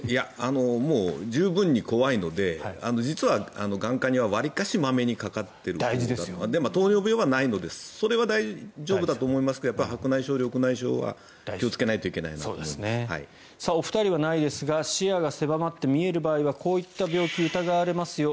もう、十分に怖いので実は眼下にはわりとまめにかかっているんですが糖尿病はないのでそれは大丈夫だと思いますがやっぱり白内障、緑内障は気をつけないといけないとお二人はないですが視野が狭まって見える場合はこういった病気が疑われますよ